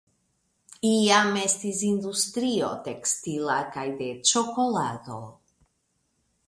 Iam estis industrio tekstila kaj de ĉokolado.